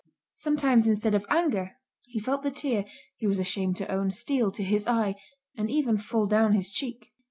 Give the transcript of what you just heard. Sometimes instead of anger, he felt the tear, he was ashamed to own, steal to his eye, and even fall down his cheek.